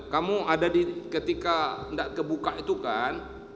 kamu ada di ketika nggak kebuka itu kan